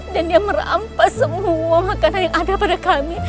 dan dia merampas semua makanan yang ada pada kami